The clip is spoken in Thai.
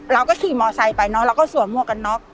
เราก็ขี่มอไซค์ไปเนอะเราก็สวมหมวกกันน็อก